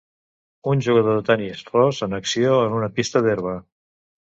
Un jugador de tenis ros en acció en una pista d'herba.